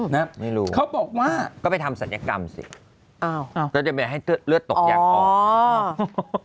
ไม่รู้เขาบอกว่าก็ไปทำศัลยกรรมสิจะไปให้เลือดตกยักษ์ออก